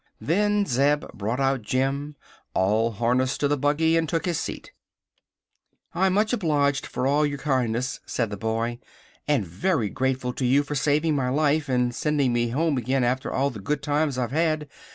Then Zeb brought out Jim, all harnessed to the buggy, and took his seat. "I'm much obliged for all your kindness," said the boy, "and very grateful to you for saving my life and sending me home again after all the good times I've had.